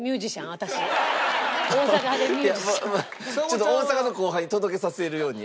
ちょっと大阪の後輩に届けさせるように。